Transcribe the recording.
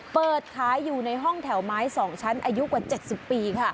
เปิดขายอยู่ในห้องแถวไม้๒ชั้นอายุกว่า๗๐ปี